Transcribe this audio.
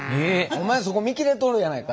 「お前そこ見切れとるやないか」